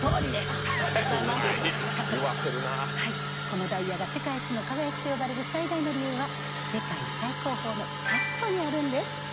このダイヤが世界一の輝きと呼ばれる最大の理由は世界最高峰のカットにあるんです。